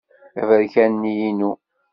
Aberkan-nni inu.